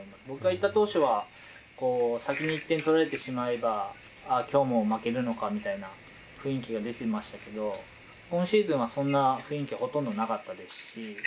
僕が行った当初は先に１点取られてしまえば今日も負けるのかみたいな雰囲気が出てましたけど今シーズンはそんな雰囲気はほとんどなかったですし